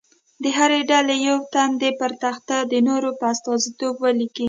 د هرې ډلې یو تن دې پر تخته د نورو په استازیتوب ولیکي.